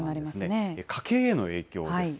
家計への影響です。